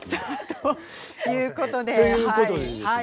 ということでですね